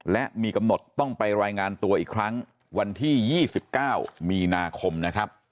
และมีกำหนดต้องไปรายงานตัวอีกครั้งวันที่๒๙มีนาคมนะครับ